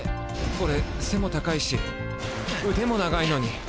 オレ背も高いし腕も長いのに。